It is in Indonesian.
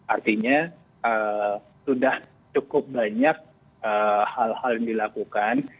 artinya sudah cukup banyak hal hal yang dilakukan